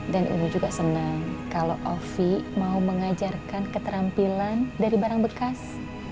dan umi juga seneng kalo ovi mau mengajarkan keterampilan dari barang bekas